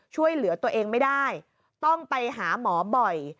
ช่วยเหลือตัวเองไม่ได้ต้องไปหาหมอบ่อย